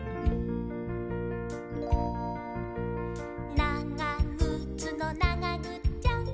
「ながぐつのながぐっちゃん！！」